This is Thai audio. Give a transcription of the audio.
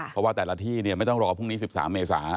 เพราะว่าแต่ละที่ไม่ต้องรอพรุ่งนี้๑๓เมษา